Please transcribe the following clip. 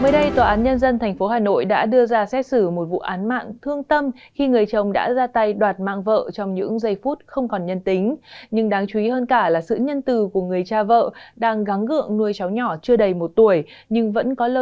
hãy đăng ký kênh để ủng hộ kênh của chúng mình nhé